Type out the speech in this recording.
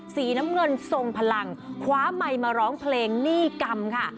สีน้ำเงินทรงพลังคว้าไมค์มาร้องเพลงหนี้กรรมค่ะ